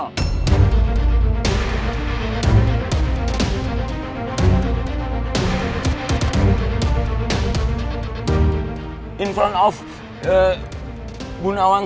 di depan rumah bu nawang